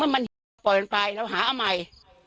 มันปล่อยกันไปแล้วหาอันใหม่